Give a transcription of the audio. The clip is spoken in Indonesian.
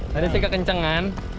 tadi saya kekencangan